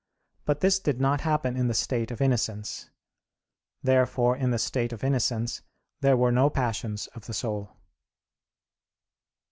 But this did not happen in the state of innocence. Therefore in the state of innocence there were no passions of the soul.